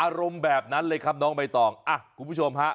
อารมณ์แบบนั้นเลยครับน้องใบตองอ่ะคุณผู้ชมฮะ